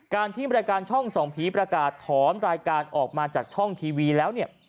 ที่รายการช่องส่องผีประกาศถอนรายการออกมาจากช่องทีวีแล้วเนี่ย